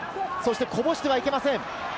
こぼしてはいけません。